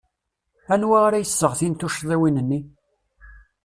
Anwa ara iseɣtin tuccḍiwin-nni?